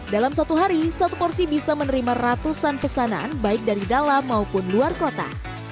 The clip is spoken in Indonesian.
dalam satu hari satu porsi bisa menerima ratusan pesanan baik dari dalam maupun luar kota